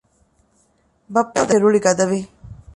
ބައްޕަގެ ރުޅި ގަދަވި